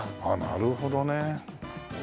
なるほどね。